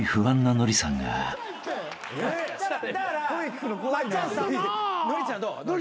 ノリちゃんどう？